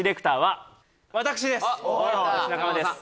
私です